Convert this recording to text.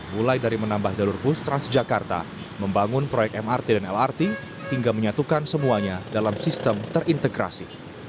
mulai dari menambah jalur bus transjakarta membangun proyek mrt dan lrt hingga menyatukan semuanya dalam sistem terintegrasi